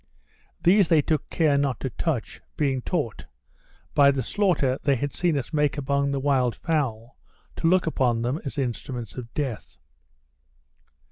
These they took care not to touch, being taught, by the slaughter they had seen us make among the wild fowl, to look upon them as instruments of death.